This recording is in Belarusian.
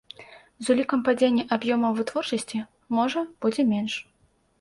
З улікам падзення аб'ёмаў вытворчасці, можа, будзе менш.